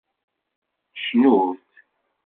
Cnut!